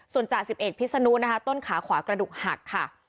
ส่วนจ่า๑๑พิศนุต้นขาขวากระดูกหัก